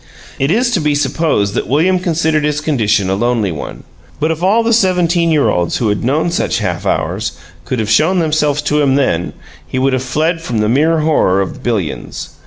It is to be supposed that William considered his condition a lonely one, but if all the seventeen year olds who have known such halfhours could have shown themselves to him then, he would have fled from the mere horror of billions.